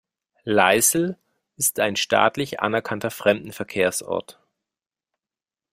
Leisel ist ein staatlich anerkannter Fremdenverkehrsort.